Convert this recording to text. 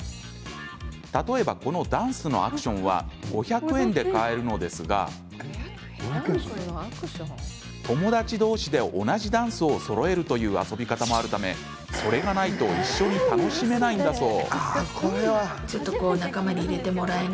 例えばこのダンスのアクションは５００円で買えるのですが友達同士で同じダンスをそろえるという遊び方もあるためそれがないと一緒に楽しめないんだそう。